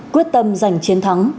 quyết tâm giành chiến thắng